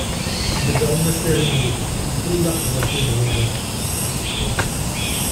Deggren asirem-iw, ifelleq ɣef yidɣaɣen.